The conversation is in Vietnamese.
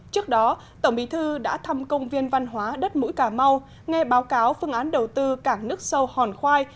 trước đó tổng bí thư đã thăm công viên văn hóa đất mũi cà mau nghe báo cáo phương án đầu tư cảng nước sâu hòn khoai